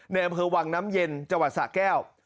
ในแบบเผิอวางน้ำเย็นจศแก้ว